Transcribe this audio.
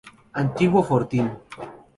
Antiguo fortín.